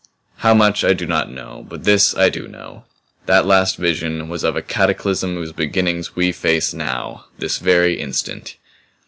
How much I do not know. But this I do know that last vision was of a cataclysm whose beginnings we face now this very instant."